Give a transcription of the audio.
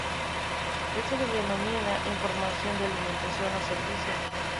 Esto se denomina información de alimentación o servicio.